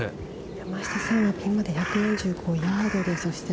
山下さんはピンまで１４５ヤードです。